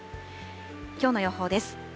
きょうの予報です。